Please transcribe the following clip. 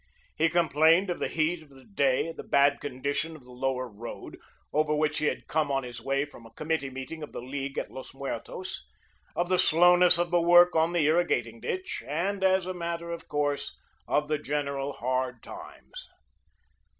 He complained of the heat of the day, the bad condition of the Lower Road, over which he had come on his way from a committee meeting of the League at Los Muertos; of the slowness of the work on the irrigating ditch, and, as a matter of course, of the general hard times.